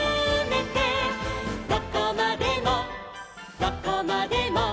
「どこまでもどこまでも」